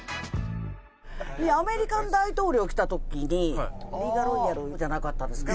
アメリカの大統領が来た時にリーガロイヤルじゃなかったですか？